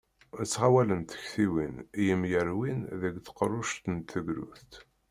Ttɣawalent tektiwin i yemyerwin deg tqerruct n tegrudt.